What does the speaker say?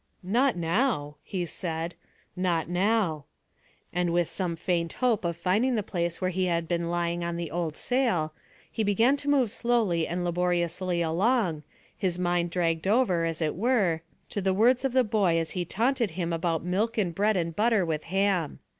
"Not now," he said, "not now;" and with some faint hope of finding the place where he had been lying on the old sail, he began to move slowly and laboriously along, his mind dragged over, as it were, to the words of the boy as he taunted him about milk and bread and butter with ham.